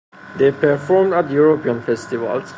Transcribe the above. They performed at European festivals.